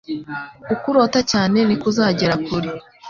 Uko urota cyane, ni ko uzagera kure. ”